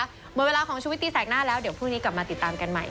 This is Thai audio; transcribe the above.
หมดเวลาของชุวิตตีแสกหน้าแล้วเดี๋ยวพรุ่งนี้กลับมาติดตามกันใหม่